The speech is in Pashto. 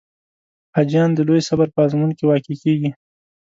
حاجیان د لوی صبر په آزمون کې واقع کېږي.